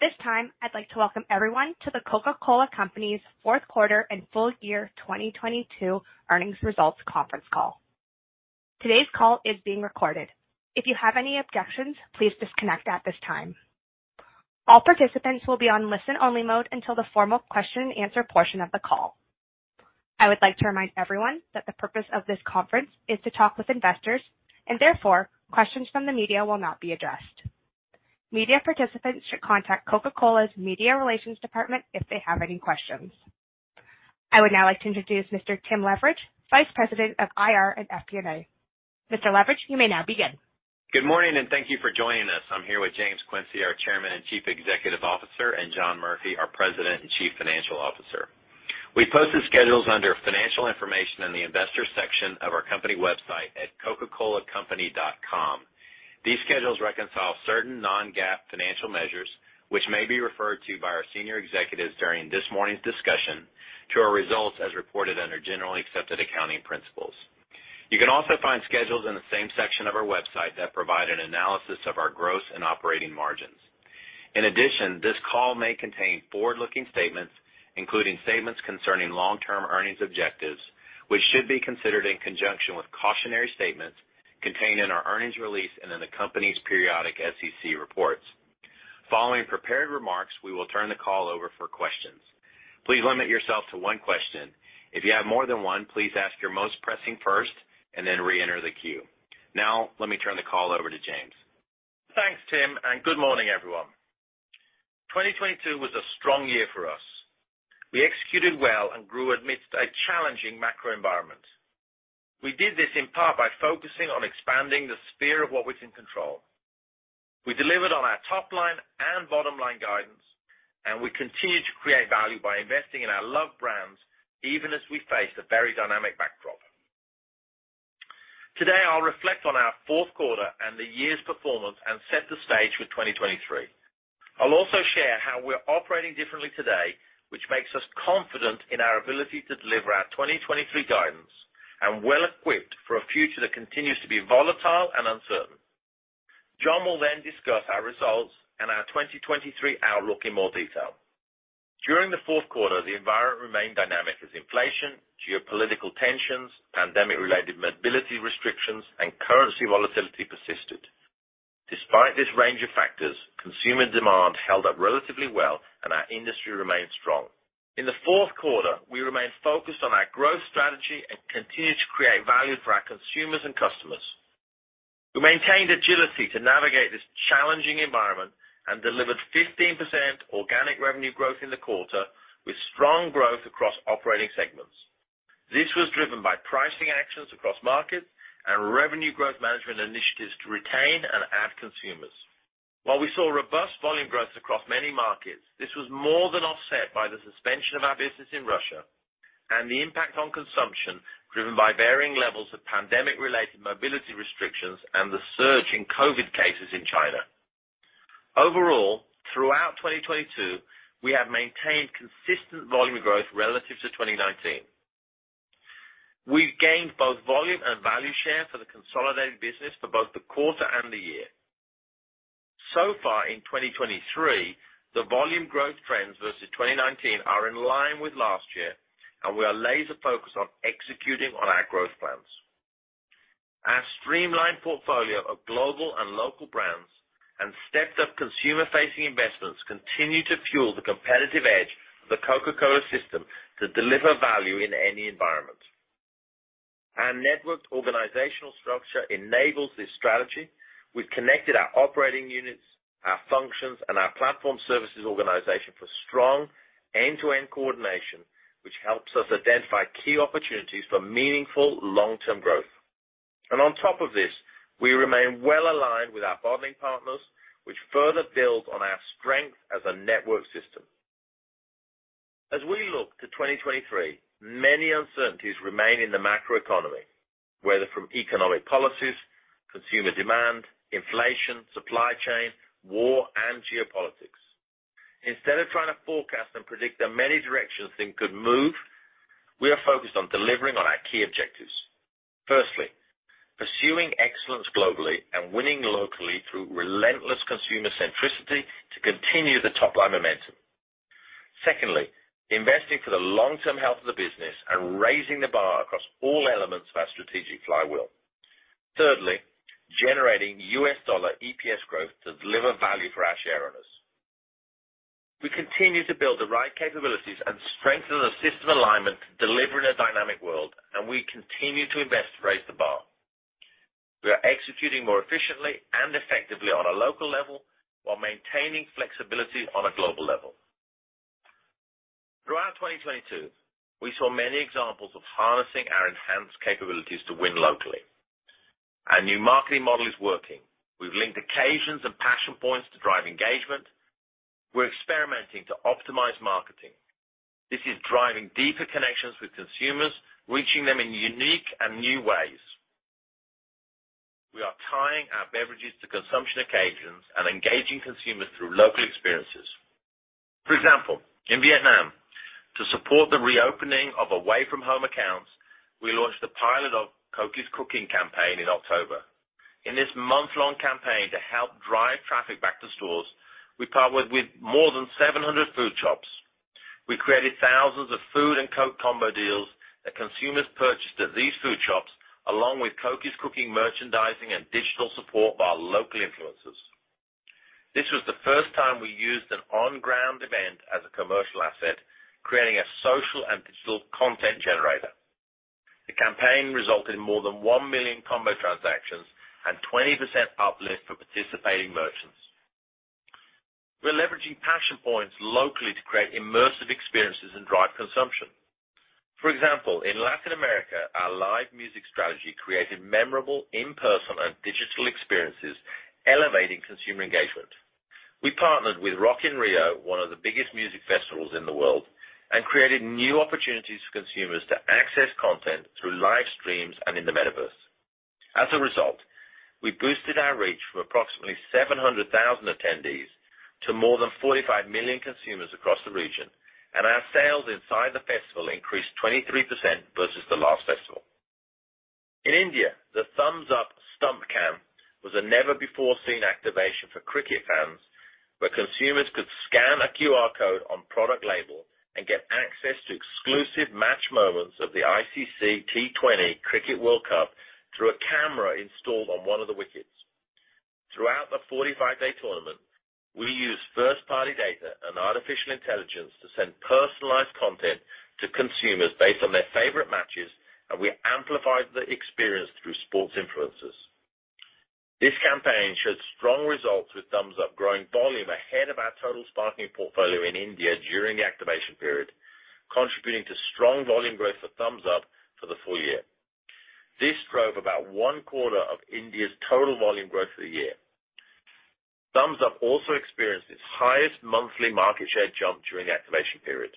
At this time, I'd like to welcome everyone to The Coca-Cola Company's fourth quarter and full year 2022 earnings results conference call. Today's call is being recorded. If you have any objections, please disconnect at this time. All participants will be on listen-only mode until the formal question and answer portion of the call. I would like to remind everyone that the purpose of this conference is to talk with investors and therefore questions from the media will not be addressed. Media participants should contact Coca-Cola's media relations department if they have any questions. I would now like to introduce Mr. Tim Leveridge, Vice President of IR and FP&A. Mr. Leveridge, you may now begin. Good morning, thank you for joining us. I'm here with James Quincey, our Chairman and Chief Executive Officer, and John Murphy, our President and Chief Financial Officer. We've posted schedules under Financial Information in the Investors section of our company website at coca-colacompany.com. These schedules reconcile certain non-GAAP financial measures which may be referred to by our senior executives during this morning's discussion to our results as reported under generally accepted accounting principles. You can also find schedules in the same section of our website that provide an analysis of our gross and operating margins. In addition, this call may contain forward-looking statements, including statements concerning long-term earnings objectives, which should be considered in conjunction with cautionary statements contained in our earnings release and in the company's periodic SEC reports. Following prepared remarks, we will turn the call over for questions. Please limit yourself to one question. If you have more than one, please ask your most pressing first and then reenter the queue. Now, let me turn the call over to James. Thanks, Tim. Good morning, everyone. 2022 was a strong year for us. We executed well and grew amidst a challenging macro environment. We did this in part by focusing on expanding the sphere of what was in control. We delivered on our top line and bottom line guidance. We continued to create value by investing in our loved brands, even as we faced a very dynamic backdrop. Today, I'll reflect on our 4th quarter and the year's performance and set the stage for 2023. I'll also share how we're operating differently today, which makes us confident in our ability to deliver our 2023 guidance and well equipped for a future that continues to be volatile and uncertain. John will discuss our results and our 2023 outlook in more detail. During the fourth quarter, the environment remained dynamic as inflation, geopolitical tensions, pandemic-related mobility restrictions, and currency volatility persisted. Despite this range of factors, consumer demand held up relatively well, our industry remained strong. In the fourth quarter, we remained focused on our growth strategy and continued to create value for our consumers and customers. We maintained agility to navigate this challenging environment and delivered 15% organic revenue growth in the quarter with strong growth across operating segments. This was driven by pricing actions across markets and revenue growth management initiatives to retain and add consumers. While we saw robust volume growth across many markets, this was more than offset by the suspension of our business in Russia and the impact on consumption driven by varying levels of pandemic-related mobility restrictions and the surge in COVID cases in China. Overall, throughout 2022, we have maintained consistent volume growth relative to 2019. We've gained both volume and value share for the consolidated business for both the quarter and the year. Far in 2023, the volume growth trends versus 2019 are in line with last year, and we are laser-focused on executing on our growth plans. Our streamlined portfolio of global and local brands and stepped up consumer-facing investments continue to fuel the competitive edge of the Coca-Cola system to deliver value in any environment. Our networked organizational structure enables this strategy. We've connected our operating units, our functions, and our platform services organization for strong end-to-end coordination, which helps us identify key opportunities for meaningful long-term growth. On top of this, we remain well-aligned with our bottling partners, which further builds on our strength as a network system. As we look to 2023, many uncertainties remain in the macroeconomy, whether from economic policies, consumer demand, inflation, supply chain, war, and geopolitics. Instead of trying to forecast and predict the many directions things could move, we are focused on delivering on our key objectives. Firstly, pursuing excellence globally and winning locally through relentless consumer centricity to continue the top-line momentum. Secondly, investing for the long-term health of the business and raising the bar across all elements of our strategic flywheel. Thirdly, generating US dollar EPS growth to deliver value for our shareowners. We continue to build the right capabilities and strengthen the system alignment to deliver in a dynamic world, and we continue to invest to raise the bar. We are executing more efficiently and effectively on a local level while maintaining flexibility on a global level. Throughout 2022, we saw many examples of harnessing our enhanced capabilities to win locally. Our new marketing model is working. We've linked occasions and passion points to drive engagement. We're experimenting to optimize marketing. This is driving deeper connections with consumers, reaching them in unique and new ways. We are tying our beverages to consumption occasions and engaging consumers through local experiences. For example, in Vietnam, to support the reopening of away from home accounts, we launched the pilot of Coke is Cooking campaign in October. In this month-long campaign to help drive traffic back to stores, we partnered with more than 700 food shops. We created thousands of food and Coke combo deals that consumers purchased at these food shops, along with Coke is Cooking merchandising and digital support by local influencers. This was the first time we used an on-ground event as a commercial asset, creating a social and digital content generator. The campaign resulted in more than 1 million combo transactions and 20% uplift for participating merchants. We're leveraging passion points locally to create immersive experiences and drive consumption. For example, in Latin America, our live music strategy created memorable in-person and digital experiences elevating consumer engagement. We partnered with Rock in Rio, one of the biggest music festivals in the world, and created new opportunities for consumers to access content through live streams and in the metaverse. As a result, we boosted our reach from approximately 700,000 attendees to more than 45 million consumers across the region, and our sales inside the festival increased 23% versus the last festival. In India, the Thums Up Stump Cam was a never-before-seen activation for cricket fans, where consumers could scan a QR code on product label and get access to exclusive match moments of the ICC T20 Cricket World Cup through a camera installed on one of the wickets. Throughout the 45-day tournament, we used first-party data and artificial intelligence to send personalized content to consumers based on their favorite matches, and we amplified the experience through sports influencers. This campaign showed strong results with Thums Up growing volume ahead of our total sparkling portfolio in India during the activation period, contributing to strong volume growth for Thums Up for the full year. This drove about one quarter of India's total volume growth for the year. Thums Up also experienced its highest monthly market share jump during the activation period.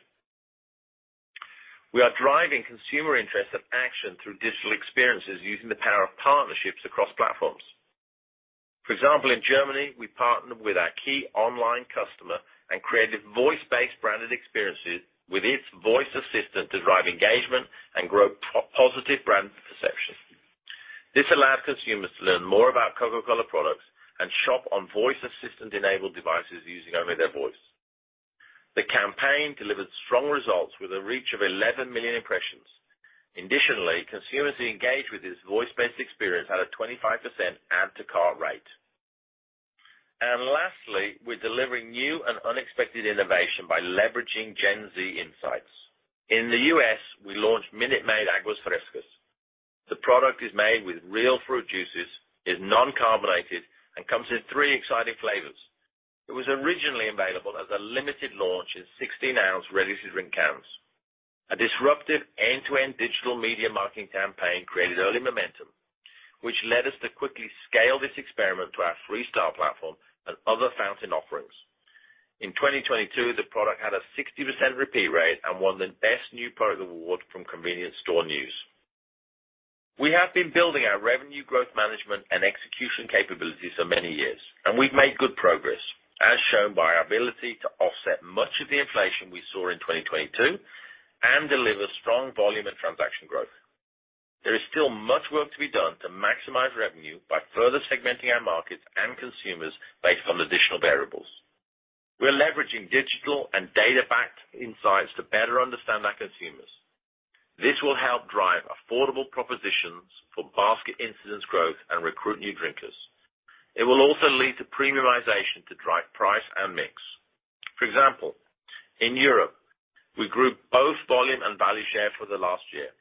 We are driving consumer interest and action through digital experiences using the power of partnerships across platforms. For example, in Germany, we partnered with our key online customer and created voice-based branded experiences with its voice assistant to drive engagement and grow positive brand perception. This allowed consumers to learn more about Coca-Cola products and shop on voice assistant-enabled devices using only their voice. The campaign delivered strong results with a reach of 11 million impressions. Additionally, consumers who engaged with this voice-based experience had a 25% add to cart rate. Lastly, we're delivering new and unexpected innovation by leveraging Gen Z insights. In the U.S., we launched Minute Maid Aguas Frescas. The product is made with real fruit juices, is non-carbonated, and comes in three exciting flavors. It was originally available as a limited launch in 16-ounce ready-to-drink cans. A disruptive end-to-end digital media marketing campaign created early momentum, which led us to quickly scale this experiment to our Freestyle platform and other fountain offerings. In 2022, the product had a 60% repeat rate and won the best new product award from Convenience Store News. We have been building our revenue growth management and execution capabilities for many years, and we've made good progress as shown by our ability to offset much of the inflation we saw in 2022 and deliver strong volume and transaction growth. There is still much work to be done to maximize revenue by further segmenting our markets and consumers based on additional variables. We're leveraging digital and data-backed insights to better understand our consumers. This will help drive affordable propositions for basket incidence growth and recruit new drinkers. It will also lead to premiumization to drive price and mix. For example, in Europe, we grew both volume and value share for the last year.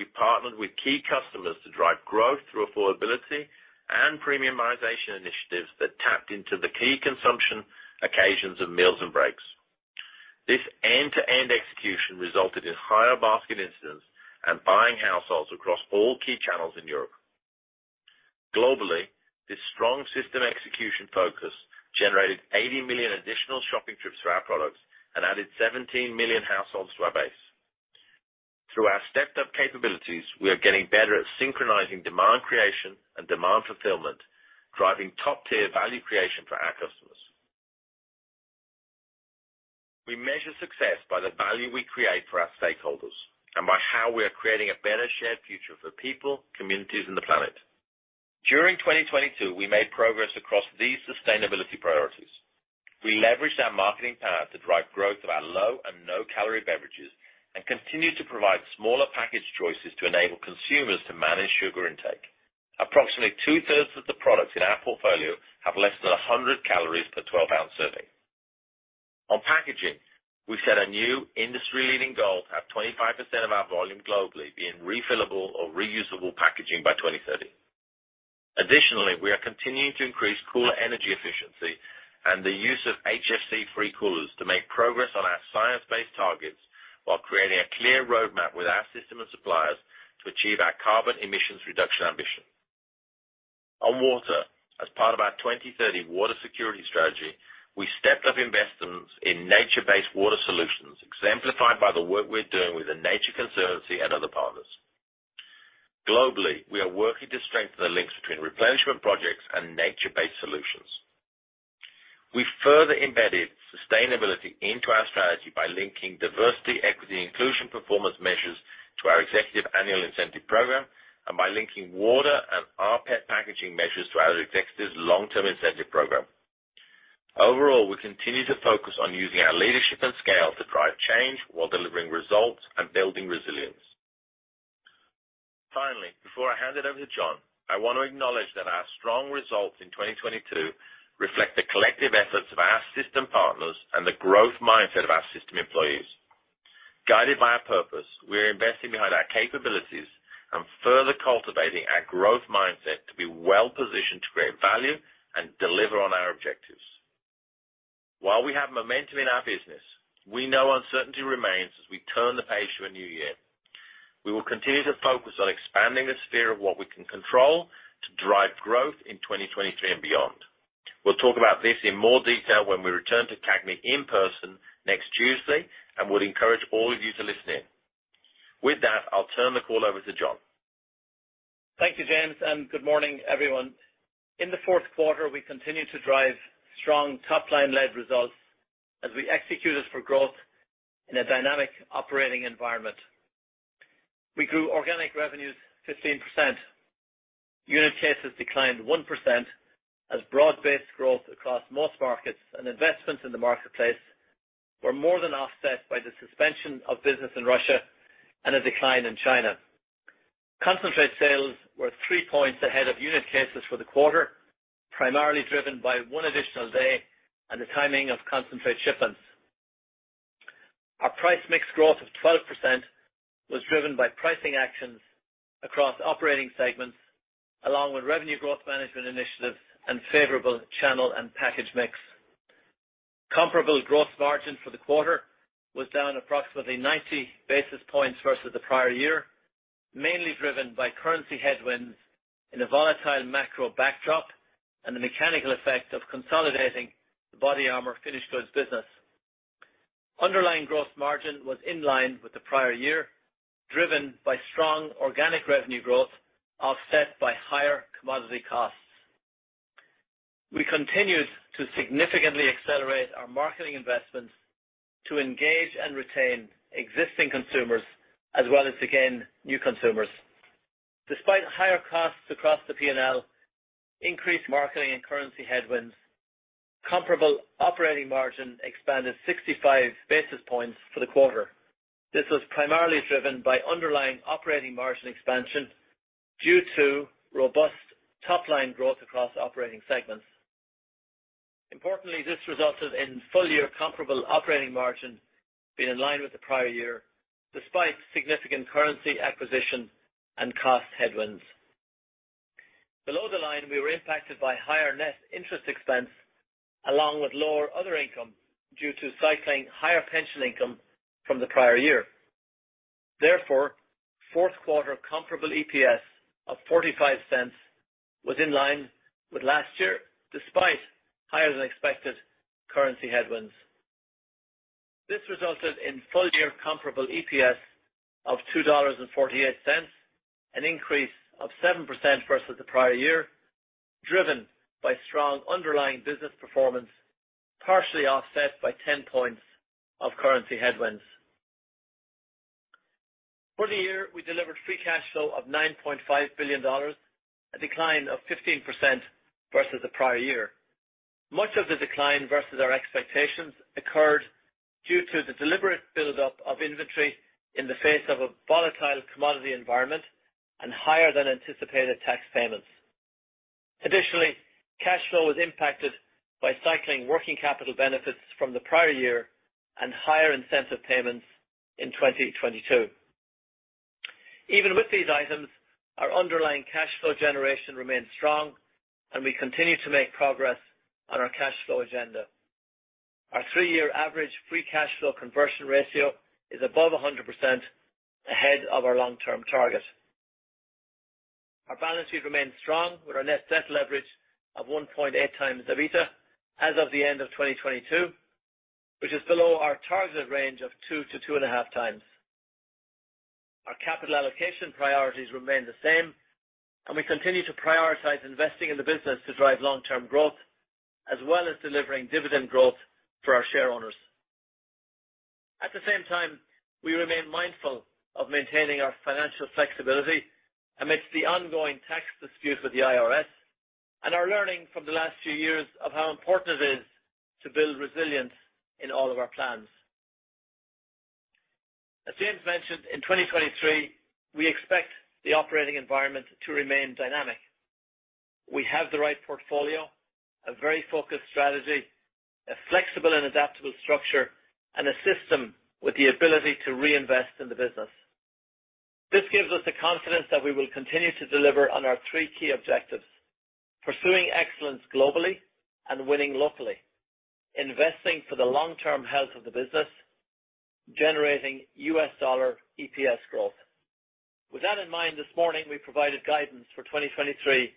We partnered with key customers to drive growth through affordability and premiumization initiatives that tapped into the key consumption occasions of meals and breaks. This end-to-end execution resulted in higher basket incidents and buying households across all key channels in Europe. Globally, this strong system execution focus generated 80 million additional shopping trips for our products and added 17 million households to our base. Through our stepped-up capabilities, we are getting better at synchronizing demand creation and demand fulfillment, driving top-tier value creation for our customers. We measure success by the value we create for our stakeholders and by how we are creating a better shared future for people, communities, and the planet. During 2022, we made progress across these sustainability priorities. We leveraged our marketing power to drive growth of our low and no-calorie beverages and continued to provide smaller package choices to enable consumers to manage sugar intake. Approximately two-thirds of the products in our portfolio have less than 100 calories per 12-ounce serving. On packaging, we set a new industry-leading goal to have 25% of our volume globally being refillable or reusable packaging by 2030. Additionally, we are continuing to increase cooler energy efficiency and the use of HFC-free coolers to make progress on our science-based targets while creating a clear roadmap with our system and suppliers to achieve our carbon emissions reduction ambition. On water, as part of our 2030 water security strategy, we stepped up investments in nature-based water solutions, exemplified by the work we're doing with The Nature Conservancy and other partners. Globally, we are working to strengthen the links between replenishment projects and nature-based solutions. We further embedded sustainability into our strategy by linking diversity, equity, and inclusion performance measures to our executive annual incentive program and by linking water and RPET packaging measures to our executives' long-term incentive program. Overall, we continue to focus on using our leadership and scale to drive change while delivering results and building resilience. Finally, before I hand it over to John, I want to acknowledge that our strong results in 2022 reflect the collective efforts of our system partners and the growth mindset of our system employees. Guided by our purpose, we are investing behind our capabilities and further cultivating our growth mindset to be well-positioned to create value and deliver on our objectives. While we have momentum in our business, we know uncertainty remains as we turn the page to a new year. We will continue to focus on expanding the sphere of what we can control to drive growth in 2023 and beyond. We'll talk about this in more detail when we return to CAGNY in person next Tuesday, and would encourage all of you to listen in. With that, I'll turn the call over to John. Thank you, James, and good morning, everyone. In the fourth quarter, we continued to drive strong top-line-led results as we executed for growth in a dynamic operating environment. We grew organic revenues 15%. Unit cases declined 1% as broad-based growth across most markets and investments in the marketplace were more than offset by the suspension of business in Russia and a decline in China. Concentrate sales were three points ahead of unit cases for the quarter, primarily driven by 1 additional day and the timing of concentrate shipments. Our price mix growth of 12% was driven by pricing actions across operating segments, along with revenue growth management initiatives and favorable channel and package mix. Comparable gross margin for the quarter was down approximately 90 basis points versus the prior year, mainly driven by currency headwinds in a volatile macro backdrop and the mechanical effect of consolidating the BODYARMOR finished goods business. Underlying gross margin was in line with the prior year, driven by strong organic revenue growth, offset by higher commodity costs. We continued to significantly accelerate our marketing investments to engage and retain existing consumers, as well as to gain new consumers. Despite higher costs across the P&L, increased marketing and currency headwinds, comparable operating margin expanded 65 basis points for the quarter. This was primarily driven by underlying operating margin expansion due to robust top-line growth across operating segments. Importantly, this resulted in full-year comparable operating margin being in line with the prior year, despite significant currency acquisition and cost headwinds. Below the line, we were impacted by higher net interest expense along with lower other income due to cycling higher pension income from the prior year. Fourth quarter comparable EPS of $0.45 was in line with last year, despite higher than expected currency headwinds. This resulted in full-year comparable EPS of $2.48, an increase of 7% versus the prior year, driven by strong underlying business performance, partially offset by 10 points of currency headwinds. For the year, we delivered free cash flow of $9.5 billion, a decline of 15% versus the prior year. Much of the decline versus our expectations occurred due to the deliberate buildup of inventory in the face of a volatile commodity environment and higher than anticipated tax payments. Additionally, cash flow was impacted by cycling working capital benefits from the prior year and higher incentive payments in 2022. Even with these items, our underlying cash flow generation remains strong and we continue to make progress on our cash flow agenda. Our three-year average free cash flow conversion ratio is above 100% ahead of our long-term target. Our balance sheet remains strong with our net debt leverage of 1.8x EBITDA as of the end of 2022, which is below our targeted range of 2x-2.5x. Our capital allocation priorities remain the same. We continue to prioritize investing in the business to drive long-term growth, as well as delivering dividend growth for our shareowners. At the same time, we remain mindful of maintaining our financial flexibility amidst the ongoing tax dispute with the IRS and are learning from the last few years of how important it is to build resilience in all of our plans. As James mentioned, in 2023, we expect the operating environment to remain dynamic. We have the right portfolio, a very focused strategy, a flexible and adaptable structure, and a system with the ability to reinvest in the business. This gives us the confidence that we will continue to deliver on our three key objectives, pursuing excellence globally and winning locally, investing for the long-term health of the business, generating U.S. dollar EPS growth. With that in mind, this morning, we provided guidance for 2023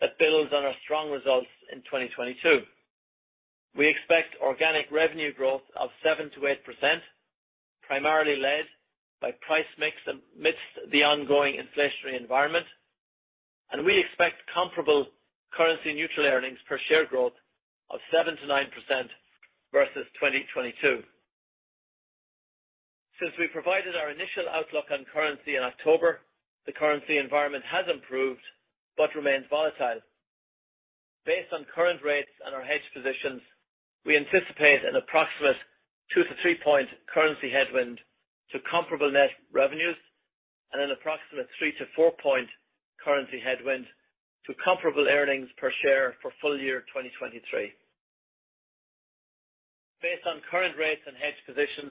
that builds on our strong results in 2022. We expect organic revenue growth of 7%-8%, primarily led by price mix amidst the ongoing inflationary environment. We expect comparable currency neutral earnings per share growth of 7%-9% versus 2022. Since we provided our initial outlook on currency in October, the currency environment has improved but remains volatile. Based on current rates and our hedge positions, we anticipate an approximate two to three point currency headwind to comparable net revenues and an approximate 3-4 point currency headwind to comparable earnings per share for full year 2023. Based on current rates and hedge positions,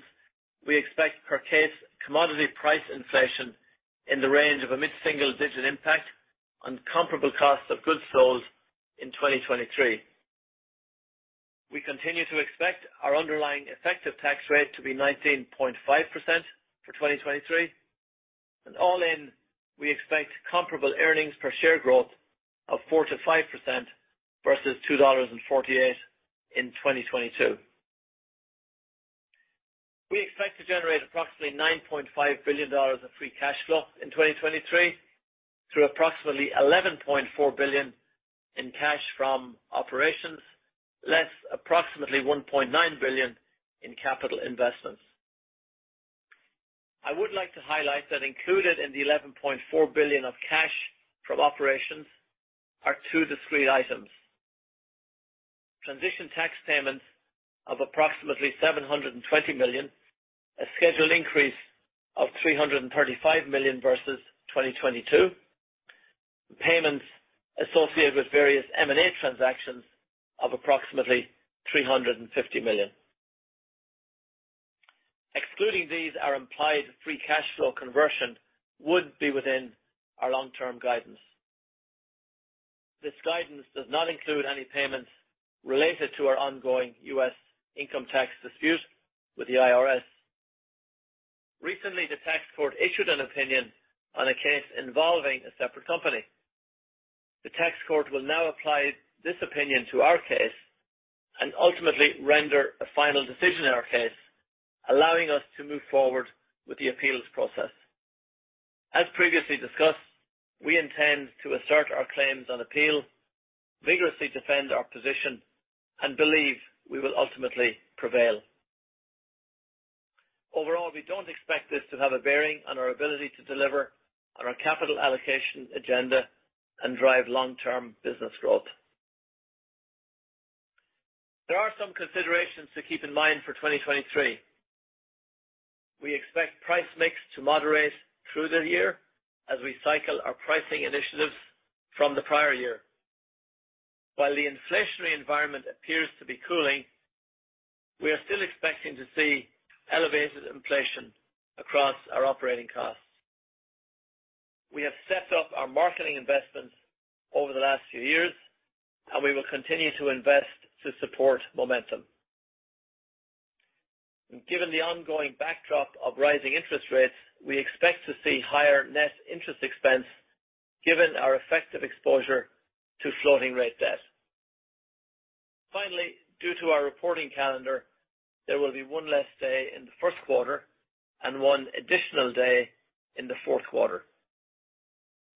we expect per case commodity price inflation in the range of a mid-single digit impact on comparable cost of goods sold in 2023. We continue to expect our underlying effective tax rate to be 19.5% for 2023. All in, we expect comparable earnings per share growth of 4%-5% versus $2.48 in 2022. We expect to generate approximately $9.5 billion of free cash flow in 2023 through approximately $11.4 billion in cash from operations, less approximately $1.9 billion in capital investments. I would like to highlight that included in the $11.4 billion of cash from operations are two discrete items. Transition tax payments of approximately $720 million, a scheduled increase of $335 million versus 2022. Payments associated with various M&A transactions of approximately $350 million. Excluding these, our implied free cash flow conversion would be within our long-term guidance. This guidance does not include any payments related to our ongoing U.S. income tax dispute with the IRS. Recently, the tax court issued an opinion on a case involving a separate company. The tax court will now apply this opinion to our case and ultimately render a final decision in our case, allowing us to move forward with the appeals process. As previously discussed, we intend to assert our claims on appeal, vigorously defend our position, and believe we will ultimately prevail. Overall, we don't expect this to have a bearing on our ability to deliver on our capital allocation agenda and drive long-term business growth. There are some considerations to keep in mind for 2023. We expect price/mix to moderate through the year as we cycle our pricing initiatives from the prior year. While the inflationary environment appears to be cooling, we are still expecting to see elevated inflation across our operating costs. We have stepped up our marketing investments over the last few years, and we will continue to invest to support momentum. Given the ongoing backdrop of rising interest rates, we expect to see higher net interest expense given our effective exposure to floating rate debt. Finally, due to our reporting calendar, there will be one less day in the first quarter and one additional day in the fourth quarter.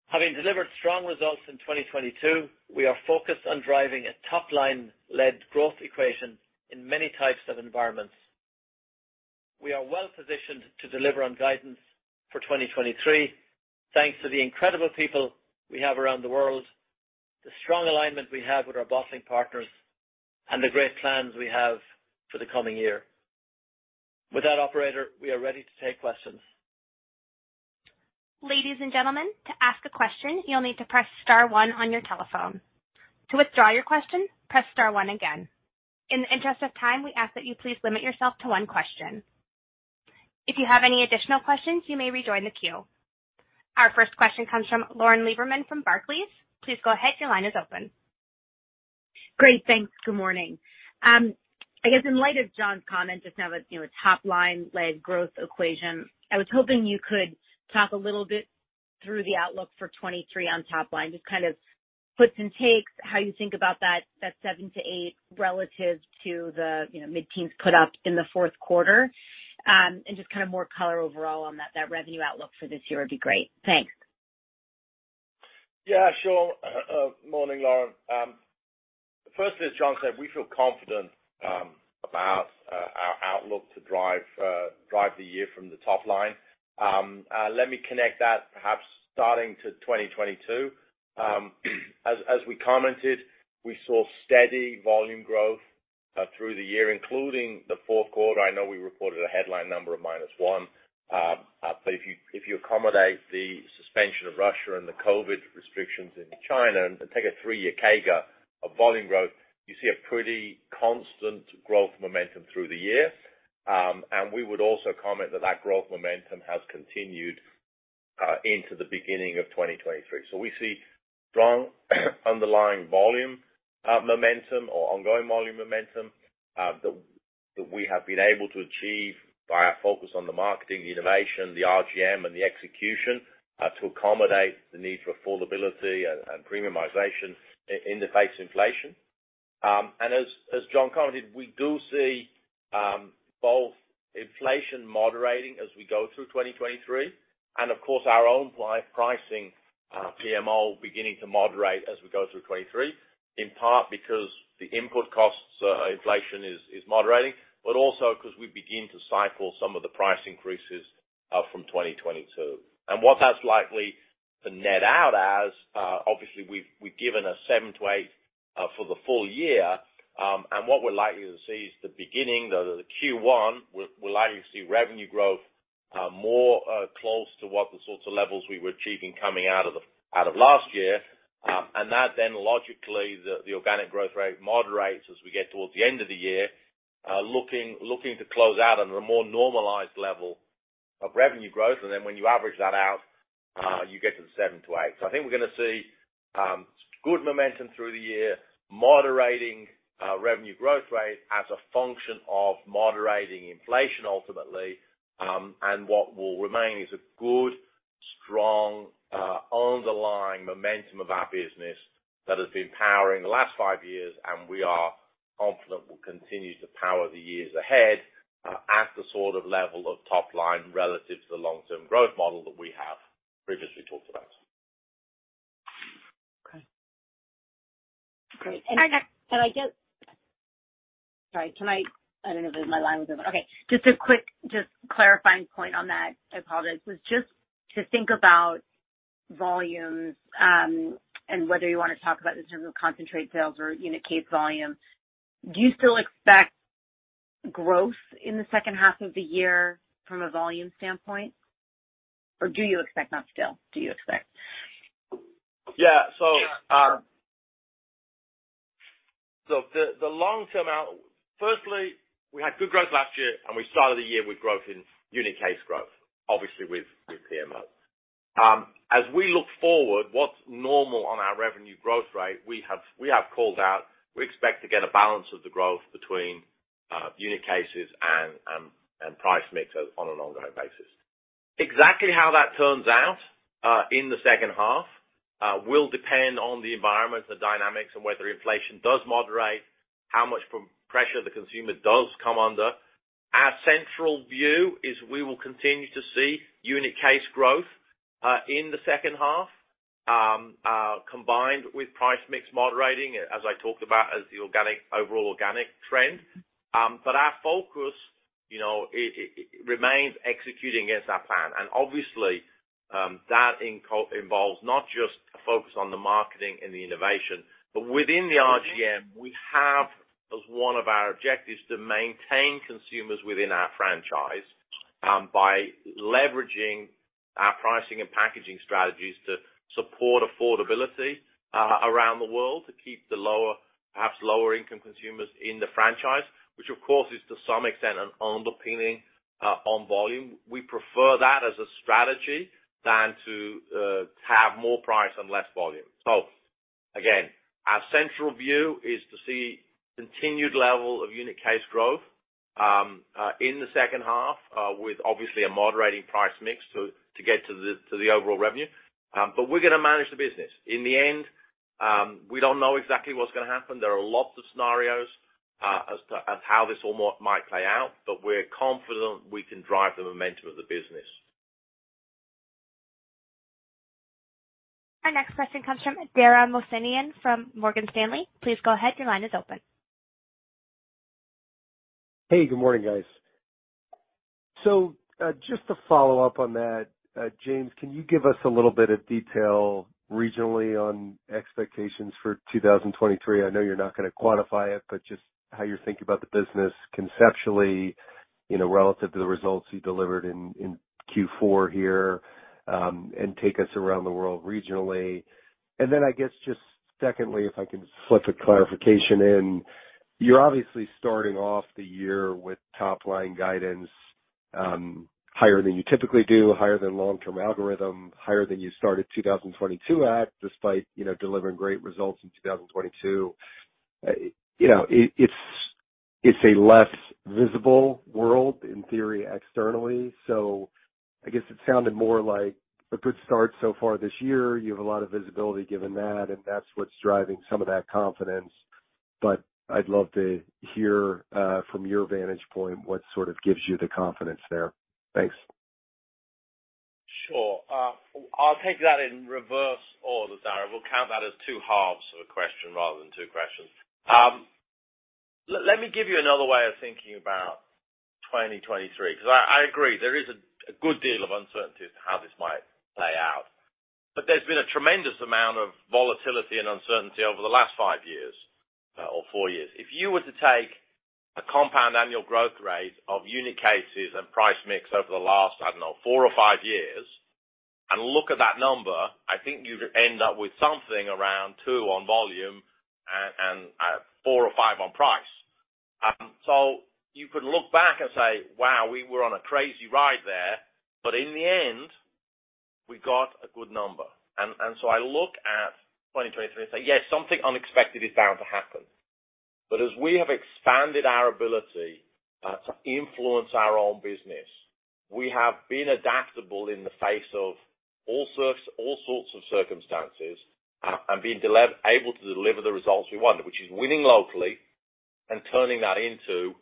Having delivered strong results in 2022, we are focused on driving a top-line led growth equation in many types of environments. We are well-positioned to deliver on guidance for 2023, thanks to the incredible people we have around the world, the strong alignment we have with our bottling partners, and the great plans we have for the coming year. With that, operator, we are ready to take questions. Ladies and gentlemen, to ask a question, you'll need to press star one on your telephone. To withdraw your question, press star one again. In the interest of time, we ask that you please limit yourself to one question. If you have any additional questions, you may rejoin the queue. Our first question comes from Lauren Lieberman from Barclays. Please go ahead. Your line is open. Great. Thanks. Good morning. I guess in light of John's comment just now about, you know, a top-line led growth equation, I was hoping you could talk a little bit through the outlook for 2023 on top line. Just kind of puts and takes, how you think about that 7%-8% relative to the, you know, mid-teens put up in the fourth quarter. Just kind of more color overall on that revenue outlook for this year would be great. Thanks. Yeah, sure. Morning, Lauren. Firstly, as John said, we feel confident about our outlook to drive drive the year from the top line. Let me connect that perhaps starting to 2022. As we commented, we saw steady volume growth through the year, including the fourth quarter. I know we reported a headline number of -1. If you accommodate the suspension of Russia and the COVID restrictions in China and take a three-year CAGR of volume growth, you see a pretty constant growth momentum through the year. We would also comment that that growth momentum has continued into the beginning of 2023. We see strong underlying volume momentum or ongoing volume momentum that- That we have been able to achieve by our focus on the marketing, innovation, the RGM, and the execution, to accommodate the need for affordability and premiumization in the face of inflation. As John commented, we do see both inflation moderating as we go through 2023 and of course, our own pricing, PMO beginning to moderate as we go through 2023, in part because the input costs, inflation is moderating, but also 'cause we begin to cycle some of the price increases from 2022. What that's likely to net out as, obviously we've given a 7%-8% for the full year. What we're likely to see is the beginning, the Q1, we're likely to see revenue growth, more close to what the sorts of levels we were achieving coming out of the out of last year. That then logically, the organic growth rate moderates as we get towards the end of the year, looking to close out under a more normalized level of revenue growth. When you average that out, you get to the 7%-8%. I think we're gonna see good momentum through the year, moderating revenue growth rate as a function of moderating inflation ultimately. What will remain is a good, strong, underlying momentum of our business that has been powering the last five years, and we are confident will continue to power the years ahead at the sort of level of top line relative to the long-term growth model that we have previously talked about. Okay. Great. Sorry, can I? I don't know if my line was open. Okay. Just a quick clarifying point on that, I apologize. Was just to think about volumes, and whether you wanna talk about in terms of concentrate sales or unit case volume. Do you still expect growth in the second half of the year from a volume standpoint? Or do you expect? Firstly, we had good growth last year, and we started the year with growth in unit case growth, obviously with PMO. As we look forward, what's normal on our revenue growth rate, we have called out, we expect to get a balance of the growth between unit cases and price mix on a longer basis. Exactly how that turns out in the second half will depend on the environment, the dynamics, and whether inflation does moderate, how much pre-pressure the consumer does come under. Our central view is we will continue to see unit case growth in the second half combined with price mix moderating, as I talked about as the organic, overall organic trend. Our focus, you know, it remains executing against our plan. Obviously, that involves not just a focus on the marketing and the innovation, but within the RGM, we have, as one of our objectives, to maintain consumers within our franchise, by leveraging our pricing and packaging strategies to support affordability, around the world to keep the lower, perhaps lower income consumers in the franchise, which of course is to some extent an underpinning, on volume. We prefer that as a strategy than to, have more price and less volume. Again, our central view is to see continued level of unit case growth, in the second half, with obviously a moderating price mix to get to the, to the overall revenue. We're gonna manage the business. In the end, we don't know exactly what's gonna happen. There are lots of scenarios, as to how this all might play out. We're confident we can drive the momentum of the business. Our next question comes from Dara Mohsenian from Morgan Stanley. Please go ahead. Your line is open. Good morning, guys. Just to follow up on that, James, can you give us a little bit of detail regionally on expectations for 2023? I know you're not gonna quantify it, but just how you're thinking about the business conceptually, you know, relative to the results you delivered in Q4 here, and take us around the world regionally. Then I guess just secondly, if I can slip a clarification in. You're obviously starting off the year with top line guidance, higher than you typically do, higher than long-term algorithm, higher than you started 2022 at, despite, you know, delivering great results in 2022. You know, it's a less visible world in theory externally. I guess it sounded more like a good start so far this year. You have a lot of visibility given that, and that's what's driving some of that confidence. I'd love to hear, from your vantage point what sort of gives you the confidence there. Thanks. Sure. I'll take that in reverse order, Dara. We'll count that as two halves of a question rather than two questions. Let me give you another way of thinking about 2023, 'cause I agree, there is a good deal of uncertainty as to how this might play out. There's been a tremendous amount of volatility and uncertainty over the last five years or four years. If you were to take a compound annual growth rate of unit cases and price mix over the last, I don't know, four or five years and look at that number, I think you'd end up with something around two on volume and four or five on price. You could look back and say, "Wow, we were on a crazy ride there." In the end, we got a good number. I look at 23 and say, yes, something unexpected is bound to happen. As we have expanded our ability to influence our own business, we have been adaptable in the face of all sorts of circumstances, able to deliver the results we want, which is winning locally and turning that into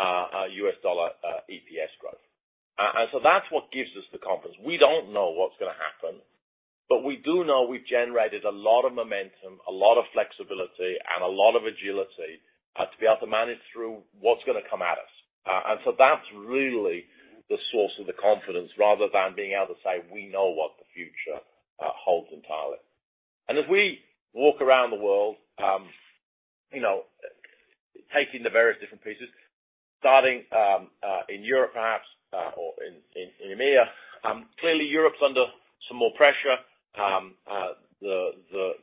a U.S. dollar EPS growth. That's what gives us the confidence. We don't know what's gonna happen, but we do know we've generated a lot of momentum, a lot of flexibility, and a lot of agility to be able to manage through what's gonna come at us. That's really the source of the confidence rather than being able to say we know what the future holds entirely. As we walk around the world, you know, taking the various different pieces, starting in Europe perhaps, or in EMEA, clearly Europe's under some more pressure.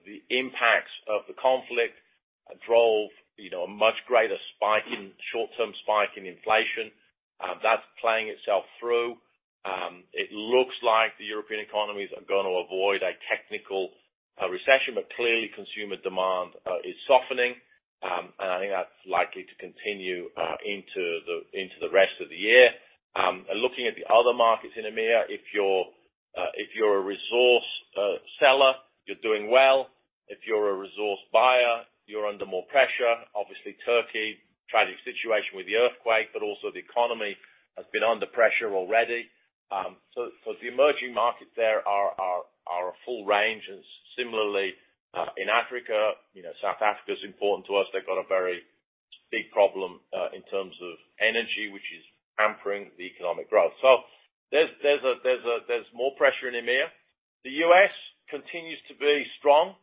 The impacts of the conflict drove, you know, a much greater short-term spike in inflation, that's playing itself through. It looks like the European economies are going to avoid a technical recession, but clearly consumer demand is softening. I think that's likely to continue into the rest of the year. Looking at the other markets in EMEA, if you're a resource seller, you're doing well. If you're a resource buyer, you're under more pressure. Obviously, Turkey, tragic situation with the earthquake, but also the economy has been under pressure already. The emerging markets there are a full range. Similarly, in Africa, you know, South Africa's important to us. They've got a very big problem in terms of energy, which is hampering the economic growth. There's more pressure in EMEA. The U.S. continues to be strong.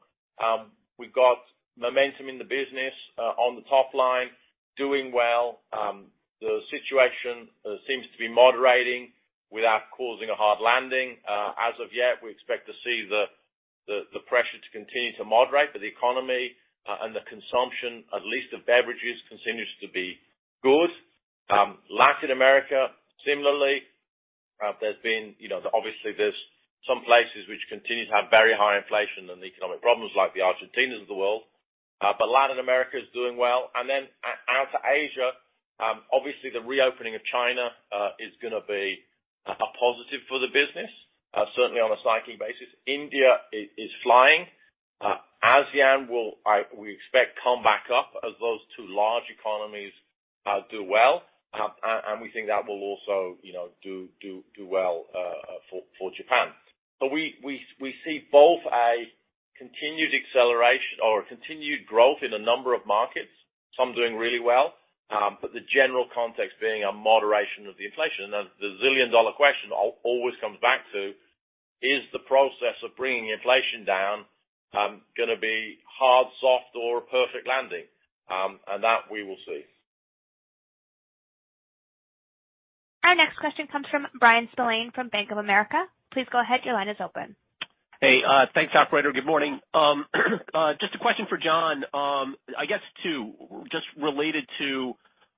We've got momentum in the business on the top line, doing well. The situation seems to be moderating without causing a hard landing. As of yet, we expect to see the pressure to continue to moderate. The economy, and the consumption, at least of beverages, continues to be good. Latin America, similarly, there's been, you know, obviously, there's some places which continue to have very high inflation and economic problems like the Argentinas of the world. Latin America is doing well. Out to Asia, obviously the reopening of China is gonna be a positive for the business, certainly on a cycling basis. India is flying. ASEAN will, we expect come back up as those two large economies do well. And we think that will also, you know, do well for Japan. We see both a continued acceleration or a continued growth in a number of markets, some doing really well, but the general context being a moderation of the inflation. Now, the zillion-dollar question always comes back to, is the process of bringing inflation down gonna be hard, soft, or a perfect landing? That we will see. Our next question comes from Bryan Spillane from Bank of America. Please go ahead, your line is open. Hey, thanks, operator. Good morning. Just a question for John, I guess to just related to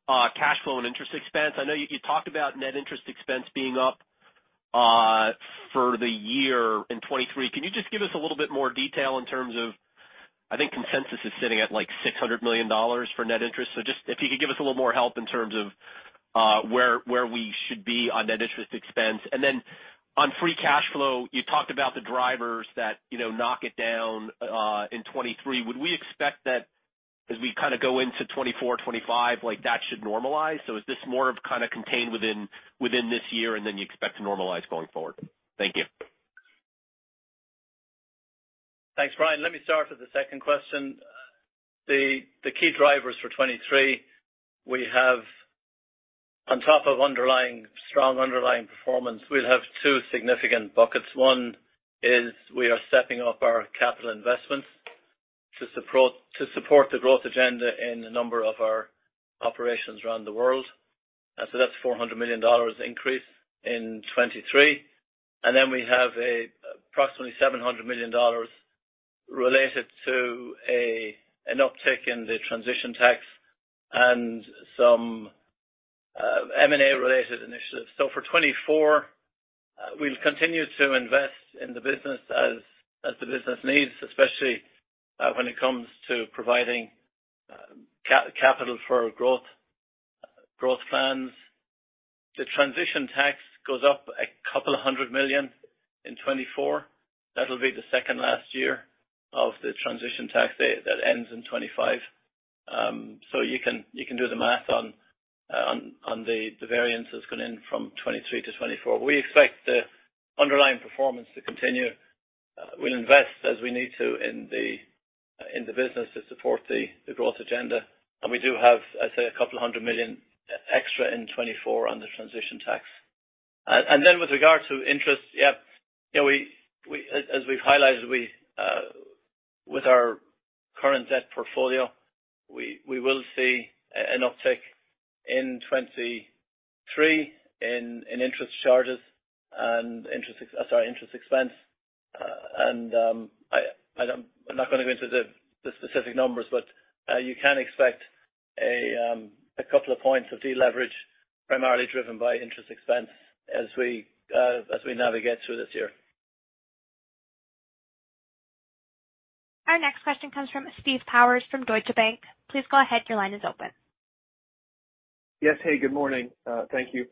cash flow and interest expense. I know you talked about net interest expense being up for the year in 2023. Can you just give us a little bit more detail in terms of... I think consensus is sitting at, like, $600 million for net interest. Just if you could give us a little more help in terms of where we should be on net interest expense. On free cash flow, you talked about the drivers that, you know, knock it down in 2023. Would we expect that as we kind of go into 2024, 2025, like, that should normalize? Is this more of kind of contained within this year and then you expect to normalize going forward? Thank you. Thanks, Brian. Let me start with the second question. The key drivers for 2023, we have on top of strong underlying performance, we'll have two significant buckets. One is we are stepping up our capital investments to support the growth agenda in a number of our operations around the world. That's $400 million increase in 2023. We have approximately $700 million related to an uptick in the transition tax and some M&A related initiatives. For 2024, we'll continue to invest in the business as the business needs, especially, when it comes to providing capital for growth plans. The transition tax goes up $200 million in 2024. That'll be the second last year of the transition tax day that ends in 2025. You can do the math on the variance that's gone in from 23 to 24. We expect the underlying performance to continue. We'll invest as we need to in the business to support the growth agenda. We do have, I'd say, a couple of hundred million extra in 24 on the transition tax. With regard to interest, you know, we as we've highlighted, With our current debt portfolio, we will see an uptick in 23 in interest charges and interest expense. I'm not gonna go into the specific numbers, but you can expect a couple of points of deleverage primarily driven by interest expense as we as we navigate through this year. Our next question comes from Steve Powers from Deutsche Bank. Please go ahead. Your line is open. Yes. Hey, good morning. Thank you.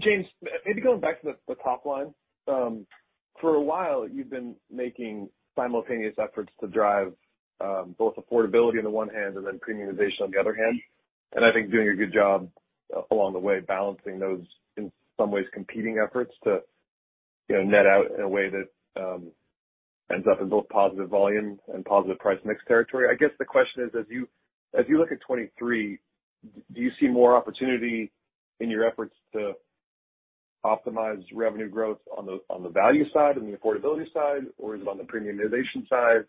James, maybe going back to the top line. For a while, you've been making simultaneous efforts to drive both affordability on the one hand and then premiumization on the other hand. I think doing a good job along the way, balancing those in some ways competing efforts to, you know, net out in a way that ends up in both positive volume and positive price mix territory. I guess the question is, as you, as you look at 23, do you see more opportunity in your efforts to optimize revenue growth on the, on the value side and the affordability side, or is it on the premiumization side?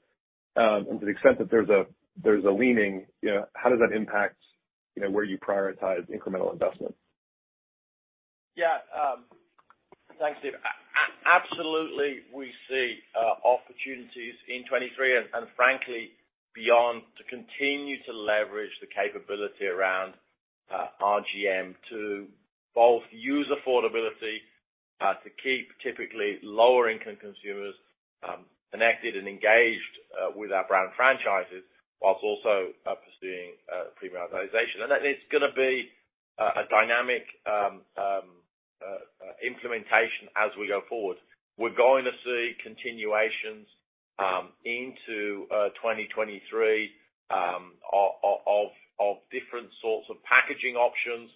To the extent that there's a leaning, you know, how does that impact, you know, where you prioritize incremental investment? Yeah. Thanks, Steve. Absolutely, we see opportunities in 23 and, frankly, beyond, to continue to leverage the capability around RGM to both use affordability to keep typically lower income consumers connected and engaged with our brand franchises whilst also pursuing premiumization. That is gonna be a dynamic implementation as we go forward. We're going to see continuations into 2023 of different sorts of packaging options,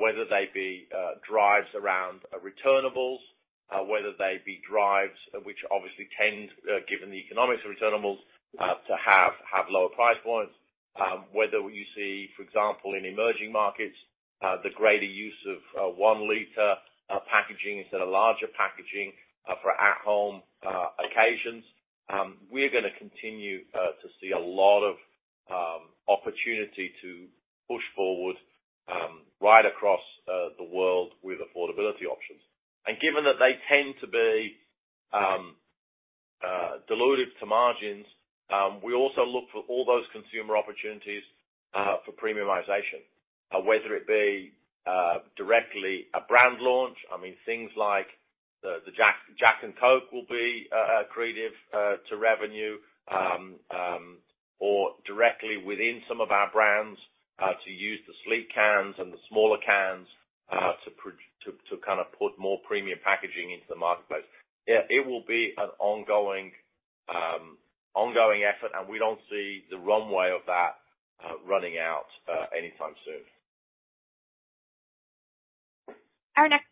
whether they be drives around returnables, whether they be drives which obviously tend given the economics of returnables to have lower price points. Whether you see, for example, in emerging markets the greater use of 1 liter packaging instead of larger packaging for at home occasions. We're gonna continue to see a lot of opportunity to push forward right across the world with affordability options. Given that they tend to be dilutive to margins, we also look for all those consumer opportunities for premiumization. Whether it be directly a brand launch, I mean things like the Jack and Coke will be accretive to revenue or directly within some of our brands to use the sleek cans and the smaller cans to kind of put more premium packaging into the marketplace. Yeah, it will be an ongoing ongoing effort, and we don't see the runway of that running out anytime soon. Our next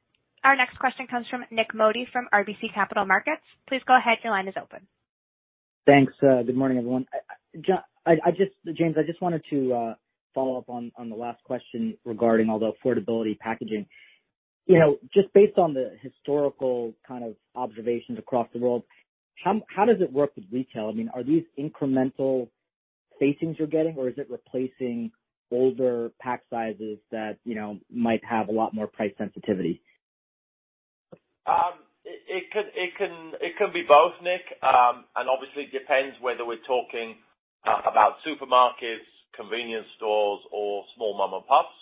question comes from Nik Modi from RBC Capital Markets. Please go ahead. Your line is open. Thanks. Good morning, everyone. I just, James, I just wanted to follow up on the last question regarding all the affordability packaging. You know, just based on the historical kind of observations across the world, how does it work with retail? I mean, are these incremental facings you're getting, or is it replacing older pack sizes that, you know, might have a lot more price sensitivity? It can be both, Nik. Obviously it depends whether we're talking about supermarkets, convenience stores or small mom-and-pops.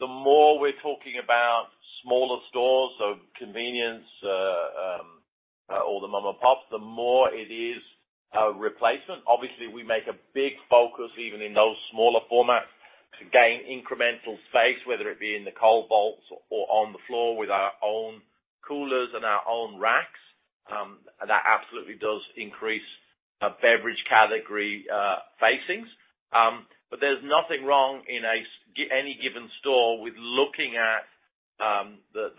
The more we're talking about smaller stores, so convenience or the mom-and-pop, the more it is a replacement. Obviously, we make a big focus even in those smaller formats to gain incremental space, whether it be in the cold vaults or on the floor with our own coolers and our own racks. That absolutely does increase beverage category facings. There's nothing wrong in any given store with looking at the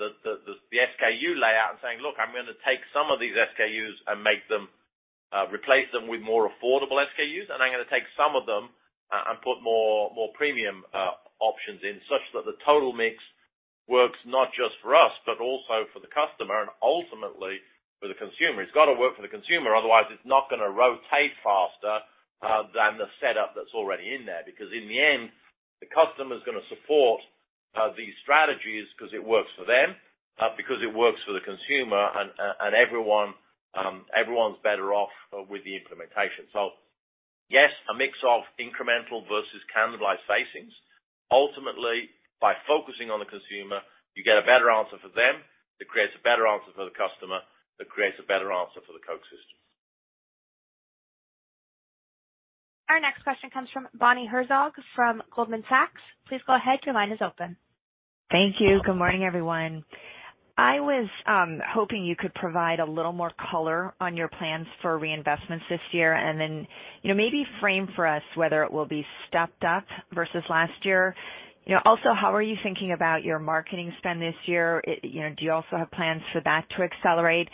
SKU layout and saying, "Look, I'm gonna take some of these SKUs and make them replace them with more affordable SKUs, and I'm gonna take some of them and put more, more premium options in such that the total mix works not just for us, but also for the customer and ultimately for the consumer." It's gotta work for the consumer, otherwise it's not gonna rotate faster than the setup that's already in there. In the end, the customer's gonna support these strategies 'cause it works for them, because it works for the consumer and everyone's better off with the implementation. Yes, a mix of incremental versus cannibalized facings. Ultimately, by focusing on the consumer, you get a better answer for them. It creates a better answer for the customer. It creates a better answer for the Coke system. Our next question comes from Bonnie Herzog from Goldman Sachs. Please go ahead. Your line is open. Thank you. Good morning, everyone. I was hoping you could provide a little more color on your plans for reinvestments this year, you know, maybe frame for us whether it will be stepped up versus last year. How are you thinking about your marketing spend this year? You know, do you also have plans for that to accelerate?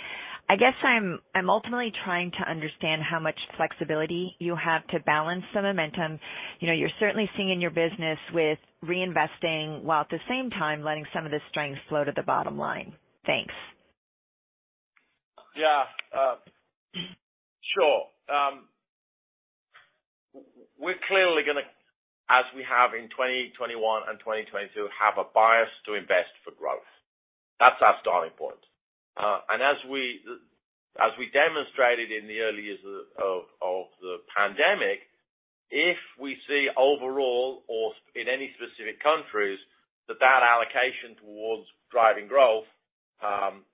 I'm ultimately trying to understand how much flexibility you have to balance the momentum. You know, you're certainly seeing in your business with reinvesting while at the same time letting some of the strengths flow to the bottom line. Thanks. Yeah. Sure. We're clearly gonna, as we have in 2021 and 2022, have a bias to invest for growth. That's our starting point. And as we demonstrated in the early years of the pandemic, if we see overall or in any specific countries, that allocation towards driving growth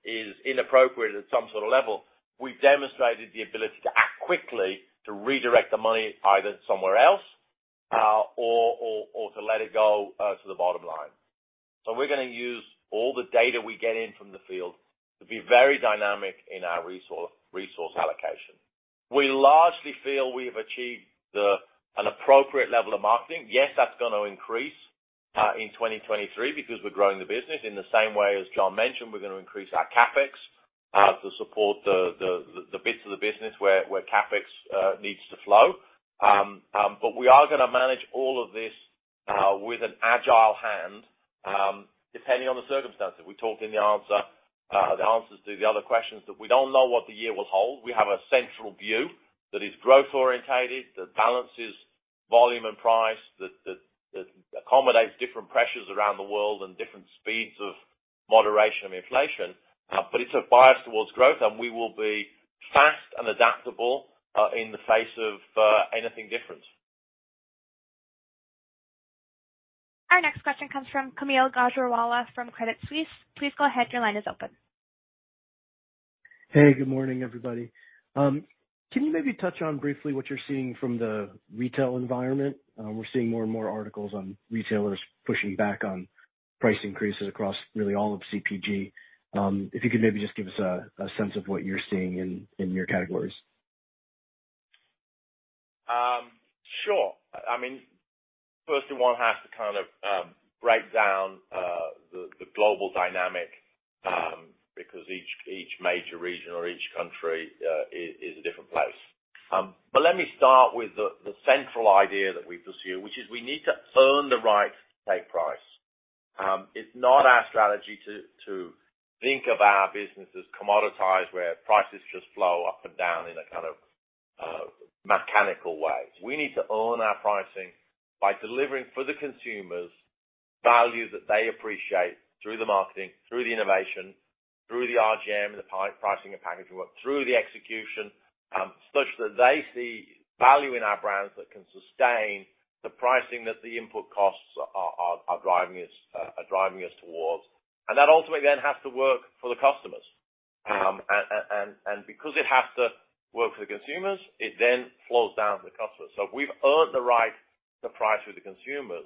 is inappropriate at some sort of level, we've demonstrated the ability to act quickly to redirect the money either somewhere else, or to let it go to the bottom line. We're gonna use all the data we get in from the field to be very dynamic in our resource allocation. We largely feel we have achieved an appropriate level of marketing. Yes, that's gonna increase in 2023 because we're growing the business. In the same way, as John mentioned, we're gonna increase our CapEx to support the bits of the business where CapEx needs to flow. We are gonna manage all of this with an agile hand, depending on the circumstances. We talked in the answers to the other questions that we don't know what the year will hold. We have a central view that is growth-oriented, that balances volume and price, that accommodates different pressures around the world and different speeds of moderation of inflation. It's a bias towards growth, and we will be fast and adaptable in the face of anything different. Our next question comes from Kaumil Gajrawala from Credit Suisse. Please go ahead. Your line is open. Hey, good morning, everybody. Can you maybe touch on briefly what you're seeing from the retail environment? We're seeing more and more articles on retailers pushing back on price increases across really all of CPG. If you could maybe just give us a sense of what you're seeing in your categories? Sure. I mean, firstly, one has to kind of break down the global dynamic because each major region or each country is a different place. But let me start with the central idea that we pursue, which is we need to earn the right to take price. It's not our strategy to think of our business as commoditized, where prices just flow up and down in a kind of mechanical way. We need to earn our pricing by delivering for the consumers value that they appreciate through the marketing, through the innovation, through the RGM, the pricing and packaging work, through the execution, such that they see value in our brands that can sustain the pricing that the input costs are driving us towards. That ultimately then has to work for the customers. Because it has to work for the consumers, it then flows down to the customers. If we've earned the right to price with the consumers,